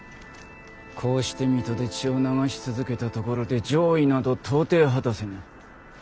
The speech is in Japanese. こうして水戸で血を流し続けたところで攘夷など到底果たせぬ。